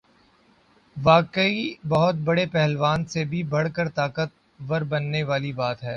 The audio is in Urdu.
ہ واقعی بہت بڑے پہلوان سے بھی بڑھ کر طاقت ور بننے والی بات ہے۔